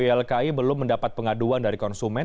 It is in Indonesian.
ylki belum mendapat pengaduan dari konsumen